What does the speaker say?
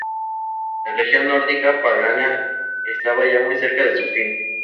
La religión nórdica pagana estaba ya muy cerca de su fin.